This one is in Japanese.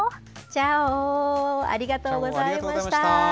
チャォウ、ありがとうございました。